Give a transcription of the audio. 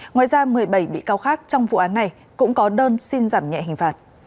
ngoài ra một mươi bảy bị cáo khác trong vụ án này cũng có đơn xin giảm nhẹ hình phạt